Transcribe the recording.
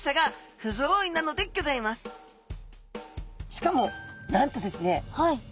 しかもなんとですね